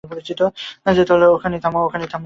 এই, ওখানেই থাম!